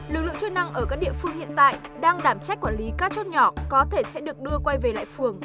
lực lượng chức năng ở các địa phương hiện tại đang đảm trách quản lý các chốt nhỏ có thể sẽ được đưa quay về lại phường